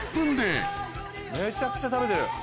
めちゃくちゃ食べてる。